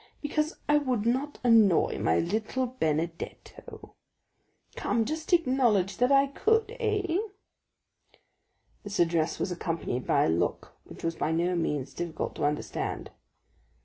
Because I would not annoy my little Benedetto. Come, just acknowledge that I could, eh?" This address was accompanied by a look which was by no means difficult to understand.